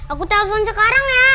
aku telfon sekarang ya